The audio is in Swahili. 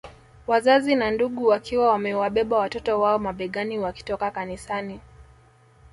Wazazi na ndugu wakiwa wamewabeba watoto wao mabegani wakitoka kanisani